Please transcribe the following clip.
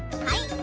はい。